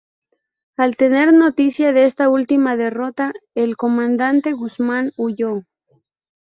Al tener noticia de esta última derrota el comandante Guzmán huyó.